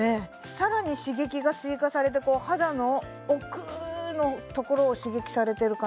さらに刺激が追加されてこう肌の奥のところを刺激されてる感じですね